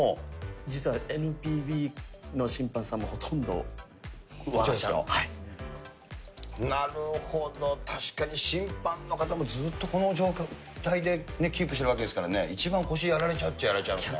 実はＮＰＢの審判さんもほとなるほど、確かに審判の方も、ずっとこの状態でキープしているわけですからね、一番、腰やられちゃうっちゃ、やられちゃいますね。